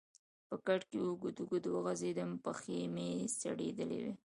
په کټ کې اوږد اوږد وغځېدم، پښې مې څړیکه وکړې.